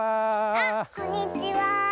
あっこんにちは。